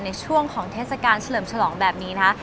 ในช่วงของเทศกาลเฉลิมฉลองแบบนี้นะคะ